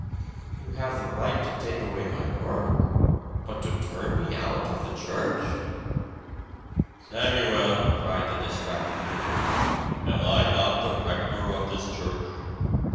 "You have the right to take away my work. But to turn me out of the church?" "Samuel," cried the distracted clergyman, "am I not the rector of this church?"